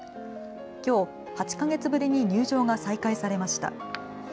きょう８か月ぶりに入場が再開されました。